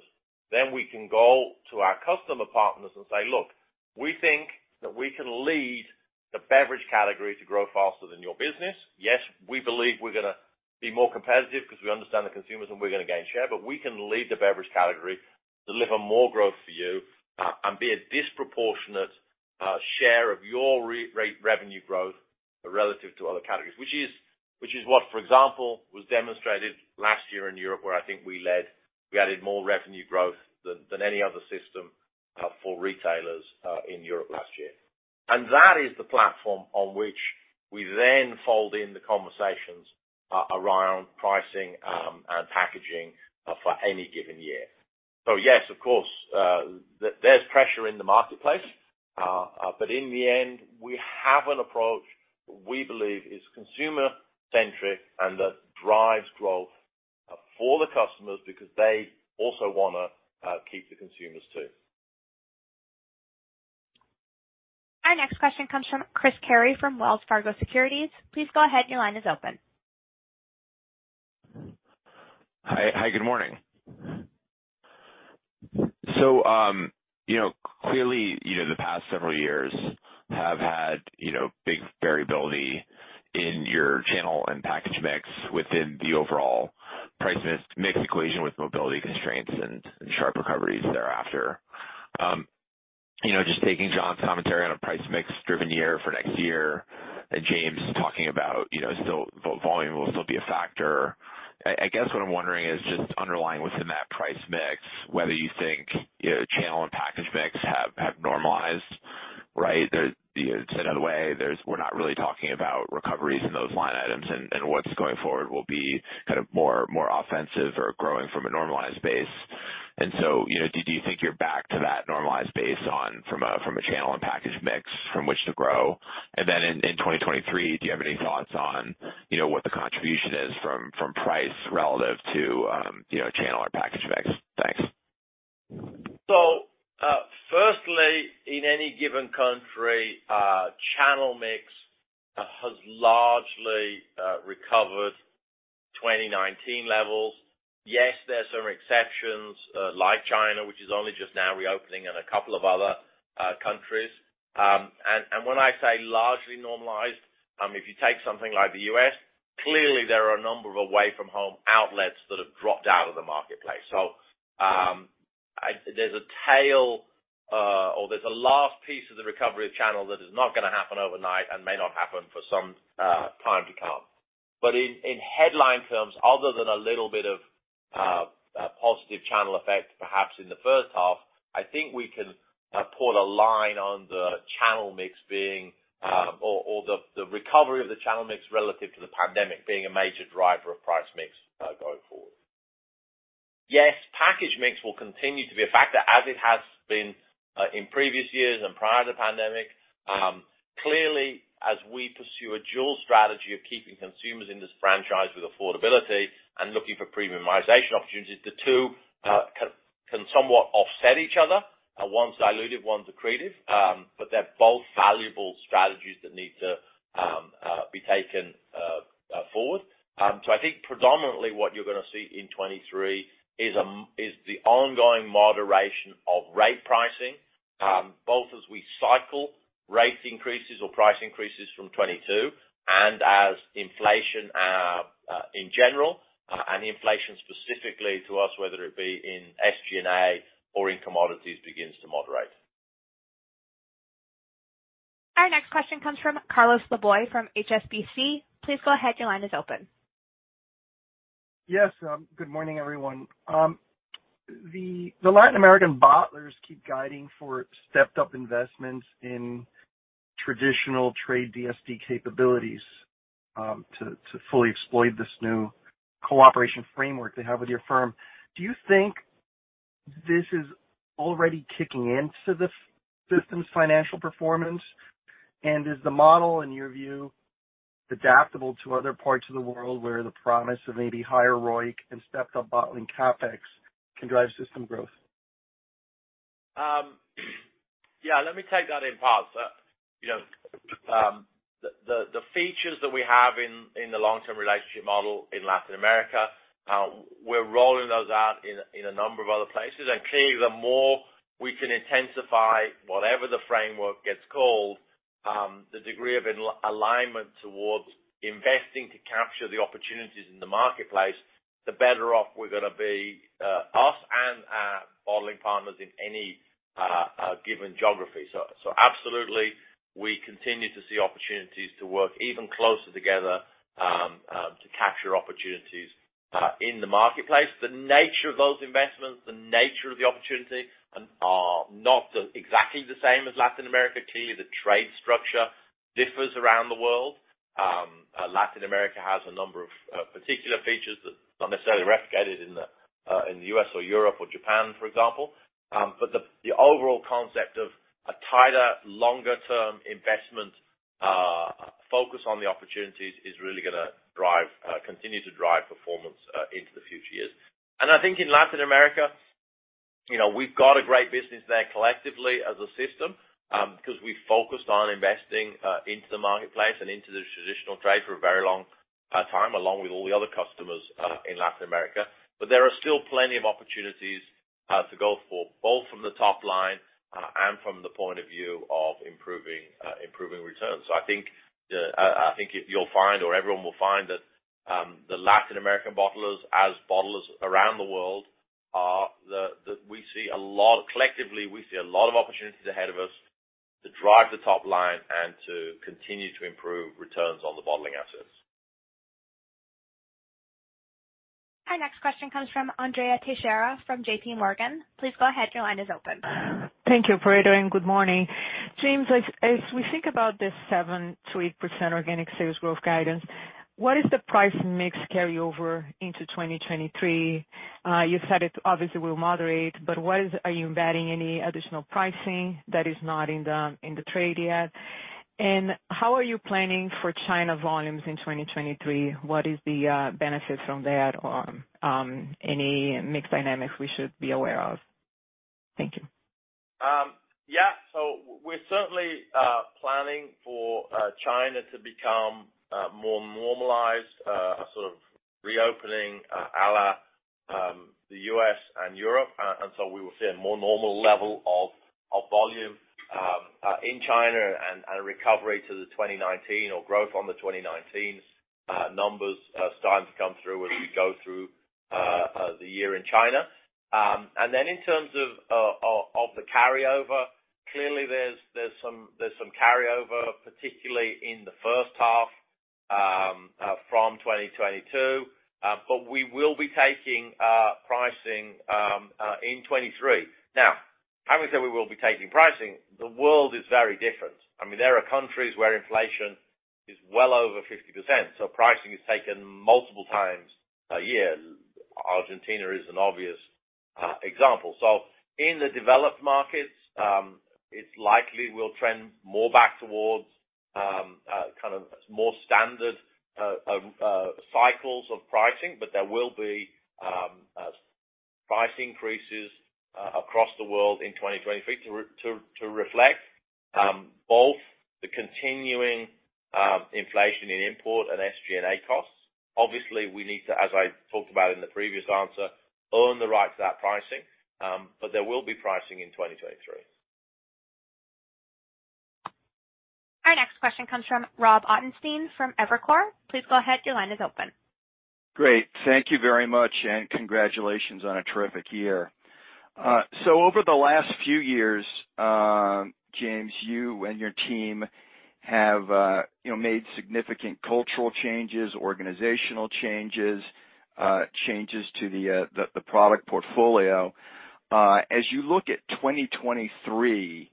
then we can go to our customer partners and say, "Look, we think that we can lead the beverage category to grow faster than your business. Yes, we believe we're gonna be more competitive because we understand the consumers, and we're gonna gain share, but we can lead the beverage category, deliver more growth for you, and be a disproportionate share of your re-rate revenue growth relative to other categories." What, for example, was demonstrated last year in Europe, where I think we led. We added more revenue growth than any other system for retailers in Europe last year. That is the platform on which we then fold in the conversations around pricing, and packaging, for any given year. Yes, of course, there's pressure in the marketplace, but in the end, we have an approach we believe is consumer-centric and that drives growth for the customers because they also wanna keep the consumers too. Our next question comes from Chris Carey from Wells Fargo Securities. Please go ahead. Your line is open. Hi. Good morning. You know, clearly, you know, the past several years have had, you know, big variability in your channel and package mix within the overall price mix equation with mobility constraints and sharp recoveries thereafter. You know, just taking John's commentary on a price mix driven year for next year, and James talking about, you know, still volume will still be a factor. I guess what I'm wondering is just underlying within that price mix, whether you think, you know, channel and package mix have normalized, right? You know, it's out of the way. We're not really talking about recoveries in those line items and what's going forward will be kind of more offensive or growing from a normalized base. You know, do you think you're back to that normalized base on... from a channel and package mix from which to grow? Then in 2023, do you have any thoughts on, you know, what the contribution is from price relative to, you know, channel or package mix? Thanks. Firstly, in any given country, channel mix has largely recovered 2019 levels. Yes, there are some exceptions, like China, which is only just now reopening, and a couple of other countries. When I say largely normalized, if you take something like the U.S., clearly there are a number of away-from-home outlets that have dropped out of the marketplace. There's a tail, or there's a last piece of the recovery of channel that is not gonna happen overnight and may not happen for some time to come. In, in headline terms, other than a little bit of -Positive channel effect perhaps in the first half. I think we can pull a line on the channel mix being or the recovery of the channel mix relative to the pandemic being a major driver of price mix going forward. Yes, package mix will continue to be a factor as it has been in previous years and prior to the pandemic. Clearly, as we pursue a dual strategy of keeping consumers in this franchise with affordability and looking for premiumization opportunities, the two can somewhat offset each other. One's dilutive, one's accretive, but they're both valuable strategies that need to be taken forward. I think predominantly what you're gonna see in 2023 is the ongoing moderation of rate pricing, both as we cycle rate increases or price increases from 2022 and as inflation in general, and inflation specifically to us, whether it be in SG&A or in commodities, begins to moderate. Our next question comes from Carlos Laboy from HSBC. Please go ahead. Your line is open. Yes. Good morning, everyone. The Latin American bottlers keep guiding for stepped up investments in traditional trade DSD capabilities to fully exploit this new cooperation framework they have with your firm. Do you think this is already kicking in to the system's financial performance? Is the model, in your view, adaptable to other parts of the world where the promise of maybe higher ROIC and stepped up bottling CapEx can drive system growth? Yeah. Let me take that in parts. You know, the features that we have in the long-term relationship model in Latin America, we're rolling those out in a, in a number of other places. Clearly, the more we can intensify whatever the framework gets called, the degree of alignment towards investing to capture the opportunities in the marketplace, the better off we're gonna be, us and our bottling partners in any given geography. Absolutely, we continue to see opportunities to work even closer together, to capture opportunities, in the marketplace. The nature of those investments, the nature of the opportunity, and are not exactly the same as Latin America. Clearly, the trade structure differs around the world. Latin America has a number of particular features that are not necessarily replicated in the U.S. or Europe or Japan, for example. The overall concept of a tighter, longer-term investment focus on the opportunities is really gonna drive, continue to drive performance into the future years. I think in Latin America, you know, we've got a great business there collectively as a system, 'cause we focused on investing into the marketplace and into the traditional trade for a very long time, along with all the other customers in Latin America. There are still plenty of opportunities to go for, both from the top line, and from the point of view of improving returns. I think you'll find or everyone will find that the Latin American bottlers, as bottlers around the world, are. Collectively, we see a lot of opportunities ahead of us to drive the top line and to continue to improve returns on the bottling assets. Our next question comes from Andrea Teixeira from JPMorgan. Please go ahead. Your line is open. Thank you for doing. Good morning. James, as we think about this 7%-8% organic sales growth guidance, what is the price mix carryover into 2023? You said it obviously will moderate, but are you embedding any additional pricing that is not in the, in the trade yet? How are you planning for China volumes in 2023? What is the benefit from that or any mix dynamics we should be aware of? Thank you. Yeah. We're certainly planning for China to become more normalized, sort of reopening, a la the U.S. and Europe. We will see a more normal level of volume in China and recovery to the 2019 or growth on the 2019 numbers starting to come through as we go through the year in China. In terms of the carryover, clearly there's some carryover, particularly in the first half from 2022. We will be taking pricing in 2023. Now, having said we will be taking pricing, the world is very different. I mean, there are countries where inflation is well over 50%, so pricing is taken multiple times a year. Argentina is an obvious example. In the developed markets, it's likely we'll trend more back towards kind of more standard cycles of pricing, but there will be price increases across the world in 2023 to reflect both the continuing inflation in import and SG&A costs. Obviously, we need to, as I talked about in the previous answer, earn the right to that pricing. There will be pricing in 2023. Our next question comes from Rob Ottenstein from Evercore. Please go ahead. Your line is open. Great. Thank you very much. Congratulations on a terrific year. Over the last few years, James, you and your team have, you know, made significant cultural changes, organizational changes to the product portfolio. As you look at 2023,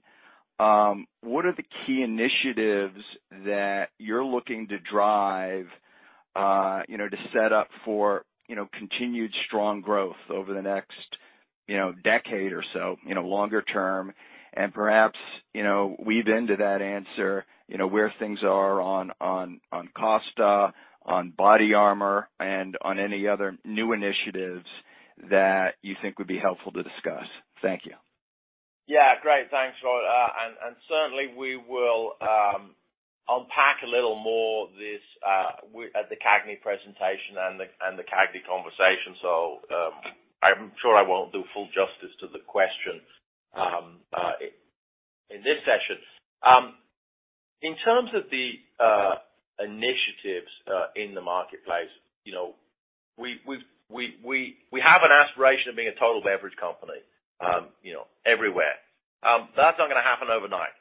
what are the key initiatives that you're looking to drive, you know, to set up for, you know, continued strong growth over the next, you know, decade or so, you know, longer term? Perhaps, you know, weave into that answer, you know, where things are on Costa, on BODYARMOR, and on any other new initiatives that you think would be helpful to discuss. Thank you. Yeah, great. Thanks, Roy. Certainly we will unpack a little more this at the CAGNY presentation and the CAGNY conversation. I'm sure I won't do full justice to the question in this session. In terms of the initiatives in the marketplace, you know, we've, we have an aspiration of being a total beverage company, you know, everywhere. That's not gonna happen overnight.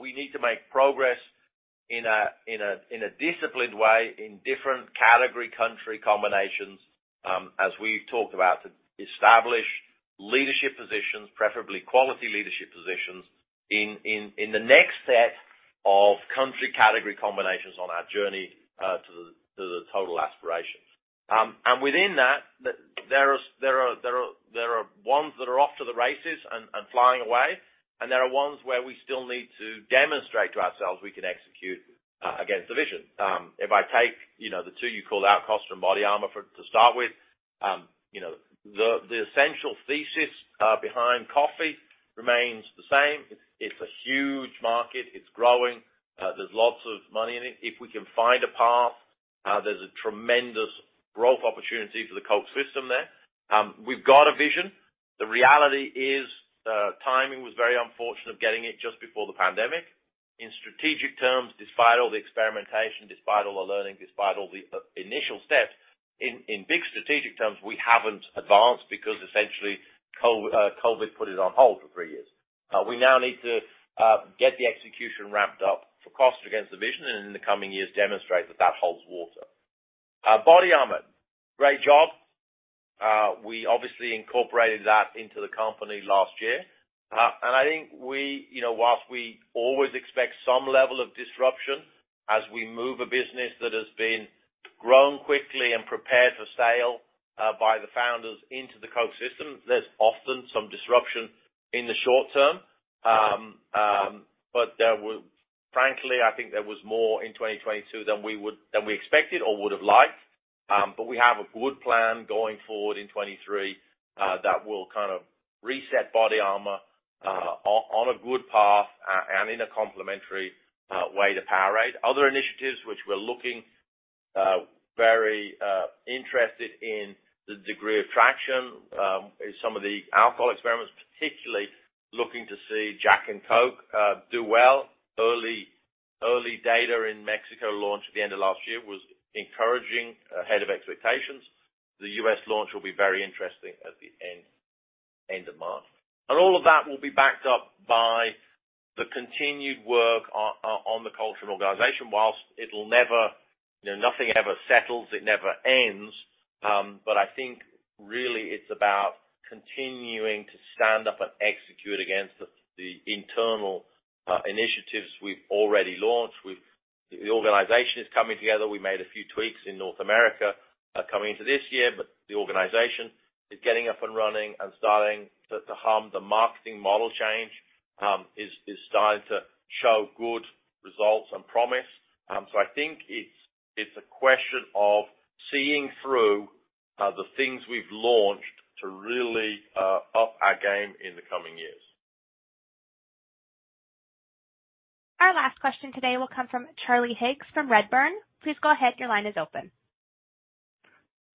We need to make progress in a disciplined way in different category, country combinations, as we've talked about, to establish leadership positions, preferably quality leadership positions in the next set of country category combinations on our journey to the total aspirations. Within that, there are ones that are off to the races and flying away, and there are ones where we still need to demonstrate to ourselves we can execute against the vision. If I take, you know, the two you called out, Costa and BODYARMOR for, to start with, you know, the essential thesis behind coffee remains the same. It's a huge market. It's growing. There's lots of money in it. If we can find a path, there's a tremendous growth opportunity for the Coke system there. We've got a vision. The reality is, timing was very unfortunate, getting it just before the pandemic. In strategic terms, despite all the experimentation, despite all the learning, despite all the initial steps, in big strategic terms, we haven't advanced because essentially COVID put it on hold for three years. We now need to get the execution ramped up for Costa against the vision, and in the coming years, demonstrate that that holds water. BODYARMOR, great job. We obviously incorporated that into the company last year. I think we, you know, whilst we always expect some level of disruption as we move a business that has been grown quickly and prepared for sale, by the founders into the Coke system, there's often some disruption in the short term. Frankly, I think there was more in 2022 than we expected or would've liked. We have a good plan going forward in 23 that will kind of reset BODYARMOR on a good path and in a complementary way to Powerade. Other initiatives which we're looking very interested in the degree of traction is some of the alcohol experiments, particularly looking to see Jack and Coke do well. Early data in Mexico launch at the end of last year was encouraging ahead of expectations. The U.S. launch will be very interesting at the end of March. All of that will be backed up by the continued work on the culture and organization. It'll never, you know, nothing ever settles, it never ends, I think really it's about continuing to stand up and execute against the internal initiatives we've already launched. The organization is coming together. We made a few tweaks in North America, coming into this year, but the organization is getting up and running and starting to hum. The marketing model change, is starting to show good results and promise. I think it's a question of seeing through the things we've launched to really up our game in the coming years. Our last question today will come from Charlie Higgs from Redburn. Please go ahead. Your line is open.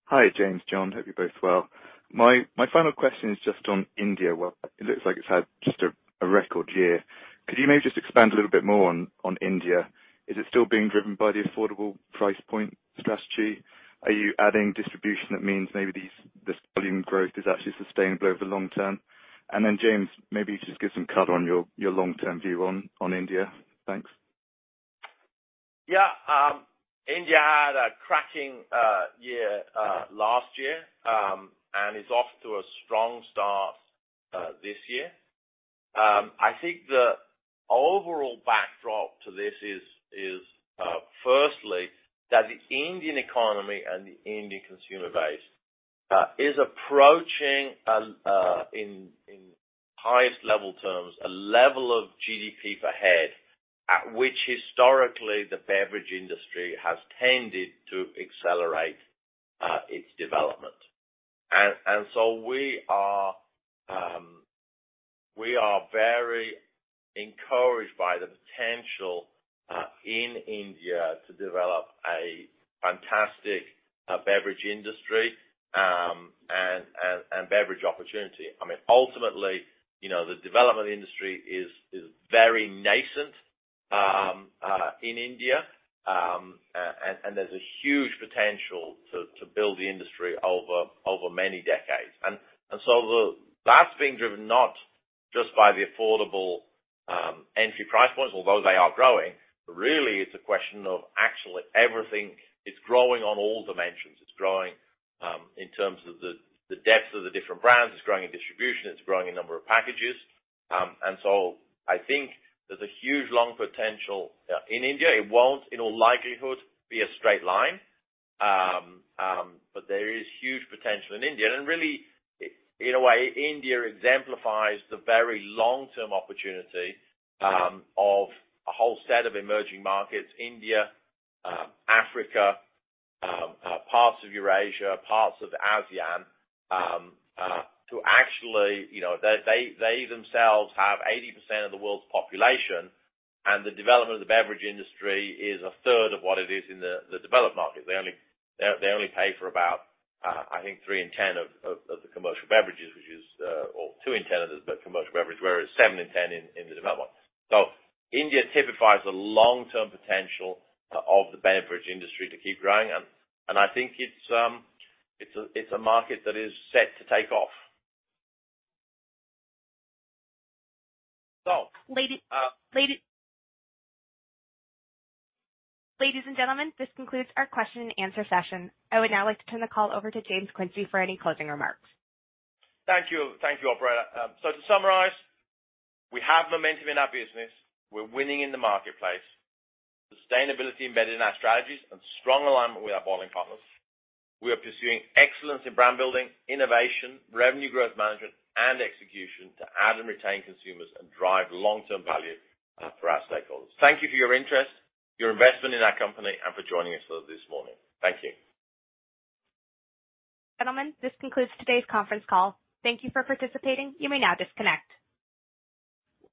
Hi, James, John. Hope you're both well. My final question is just on India. Well, it looks like it's had just a record year. Could you maybe just expand a little bit more on India? Is it still being driven by the affordable price point strategy? Are you adding distribution that means maybe this volume growth is actually sustainable over the long term? James, maybe just give some color on your long-term view on India. Thanks. Yeah. India had a cracking year last year, and is off to a strong start this year. I think the overall backdrop to this is firstly, that the Indian economy and the Indian consumer base is approaching in highest level terms, a level of GDP per head at which historically the beverage industry has tended to accelerate its development. We are very encouraged by the potential in India to develop a fantastic beverage industry and beverage opportunity. I mean, ultimately, you know, the development industry is very nascent. In India, and there's a huge potential to build the industry over many decades. The. That's being driven not just by the affordable, entry price points, although they are growing, but really it's a question of actually everything is growing on all dimensions. It's growing in terms of the depth of the different brands, it's growing in distribution, it's growing in number of packages. I think there's a huge long potential in India. It won't, in all likelihood, be a straight line. There is huge potential in India. Really, in a way, India exemplifies the very long-term opportunity of a whole set of emerging markets, India, Africa, parts of Eurasia, parts of ASEAN, to actually... You know, they themselves have 80% of the world's population, and the development of the beverage industry is a third of what it is in the developed market. They only pay for about, I think three in 10 of the commercial beverages, which is or two in 10 of this, the commercial beverage, whereas seven in 10 in the developed world. India typifies the long-term potential of the beverage industry to keep growing. I think it's a market that is set to take off. Ladies and gentlemen, this concludes our question and answer session. I would now like to turn the call over to James Quincey for any closing remarks. Thank you. Thank you, operator. To summarize, we have momentum in our business. We're winning in the marketplace, sustainability embedded in our strategies and strong alignment with our bottling partners. We are pursuing excellence in brand building, innovation, revenue growth management, and execution to add and retain consumers and drive long-term value for our stakeholders. Thank you for your interest, your investment in our company, and for joining us this morning. Thank you. Gentlemen, this concludes today's conference call. Thank you for participating. You may now disconnect.